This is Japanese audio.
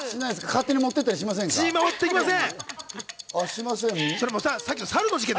勝手に持っていったりしませんか？